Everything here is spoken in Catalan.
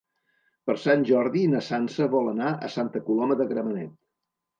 Per Sant Jordi na Sança vol anar a Santa Coloma de Gramenet.